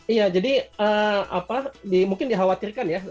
iya jadi mungkin dikhawatirkan ya